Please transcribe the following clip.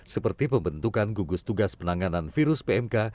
seperti pembentukan gugus tugas penanganan virus pmk